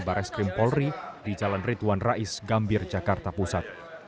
barres krim polri di jalan rituan rais gambir jakarta pusat